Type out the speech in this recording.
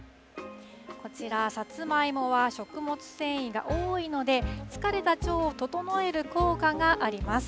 こちら、さつまいもは食物繊維が多いので、疲れた腸を整える効果があります。